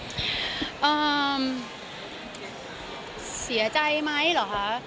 อเรนนี่เอ่อเสียใจไหมเหรอคะ